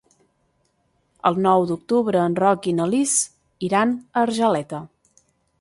El nou d'octubre en Roc i na Lis iran a Argeleta.